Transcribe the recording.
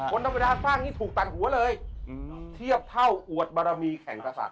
คนต้องกษัตริย์สร้างนี้ถูกตัดหัวเลยเทียบเท่าอวดบารมีแข่งกษัตริย์